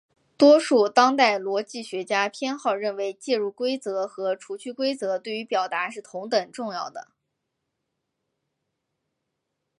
多数当代逻辑学家偏好认为介入规则和除去规则对于表达是同等重要的。